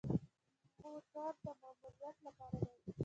موټر د ماموریت لپاره دی